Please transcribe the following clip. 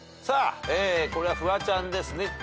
さあこれはフワちゃんですね。